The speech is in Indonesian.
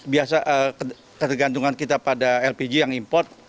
biasa ketergantungan kita pada lpg yang import